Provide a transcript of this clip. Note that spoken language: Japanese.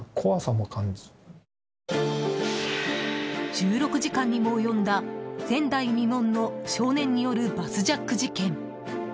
１６時間にも及んだ前代未聞の少年によるバスジャック事件。